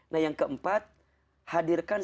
nah yang keempat hadirkan